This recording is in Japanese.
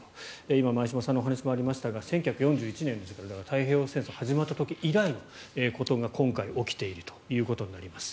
今、前嶋さんのお話にもありましたが１９４１年以来太平洋戦争が始まった時以来のことが今回、起きているということになります。